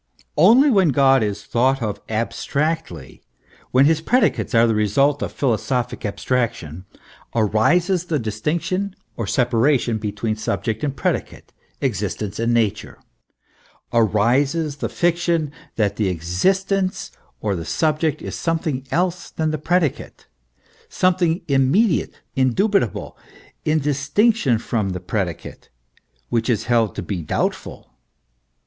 Only when God is thought of abstractly, w r hen his predicates are the result of philosophic abstraction, arises the distinction or separation between subject and predi cate, existence and nature arises the fiction that the existence or the subject is something else than the predicate, something immediate, indubitable, in distinction from the predicate, which is held to be doubtful.